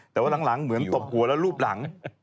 แต่ว่าหลังเหมือนตบหัวแล้วรูปหลัง